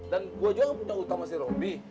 dan gua juga gak punya utama si robi